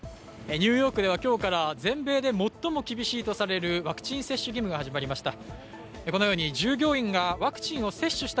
ニューヨークでは今日から全米で最も厳しいとされるワクチン接種義務が始まりました。